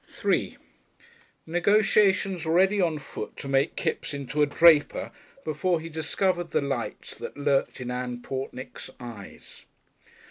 §3 Negotiations were already on foot to make Kipps into a draper before he discovered the lights that lurked in Ann Pornick's eyes.